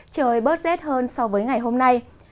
trời bớt rết hơn so với ngày hôm nay